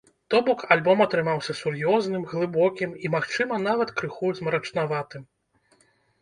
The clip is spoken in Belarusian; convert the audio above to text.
То бок, альбом атрымаўся сур'ёзным, глыбокім і, магчыма, нават крыху змрачнаватым.